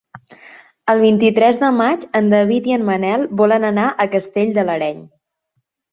El vint-i-tres de maig en David i en Manel volen anar a Castell de l'Areny.